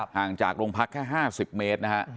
ห่างจากโรงพักษณ์แค่๕๐เมตร